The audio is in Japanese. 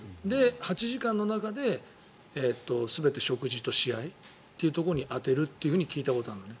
８時間の中で、全て食事と試合というところに充てると聞いたことがあるのね。